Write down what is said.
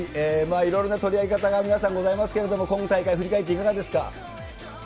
いろいろな取り上げ方が皆さんございますけれども、今大会、振り返っていかがですか。